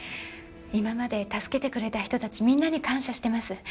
今まで助けてくれた人たちみんなに感謝してます。